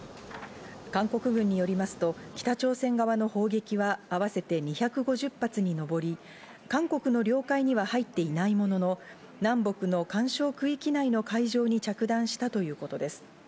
韓国軍によりますと北朝鮮側の砲撃は合わせて２５０発にのぼり、韓国の領海には入っていないものの、南北の緩衝区域内の海上に着弾したということです。